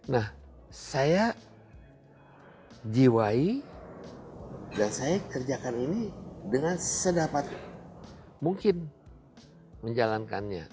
nah saya jiwai dan saya kerjakan ini dengan sedapat mungkin menjalankannya